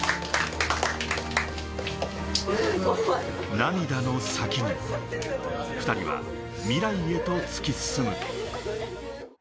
涙の先に２人は未来へと突き進む。